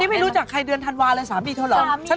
ไม่รู้จักใครเดือนธันวาเลยสามีเธอเหรอ